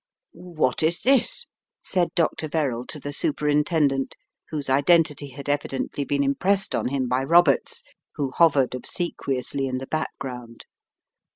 "What is this?" said Dr. Verrall to the Super intendent, whose identity had evidently been im pressed on him by Roberts who hovered obsequi ously in the background.